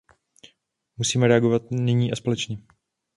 Musíme reagovat nyní a společně.